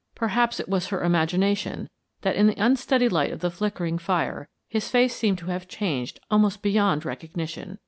Perhaps it was her imagination that in the unsteady light of the flickering fire his face seemed to have changed almost beyond recognition.